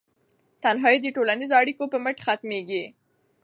تنهایي د ټولنیزو اړیکو په مټ ختمیږي.